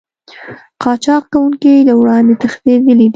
قاچاق کوونکي له وړاندې تښتېدلي دي